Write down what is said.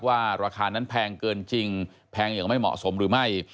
ว่าราคานั้นแพงเกินจริงแพงอย่างไม่เหมาะสมหรือไม่